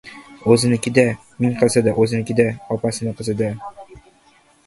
O‘ziniki-da, ming qilsa-da o‘ziniki-da — opasini qizi-da!